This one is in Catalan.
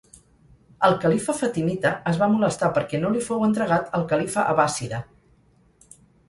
El califa fatimita es va molestar perquè no li fou entregat el califa abbàssida.